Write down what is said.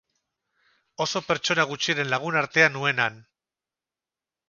Oso pertsona gutxiren lagunartea nuen han.